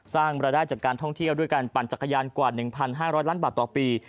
สร้างรายได้จากการท่องเที่ยวด้วยการปั่นจักรยานกว่า๑๕๐๐ล้านบาทต่อปี